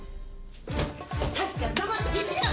さっきから黙って聞いてりゃ